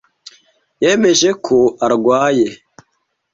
Yemeje ko arwaye.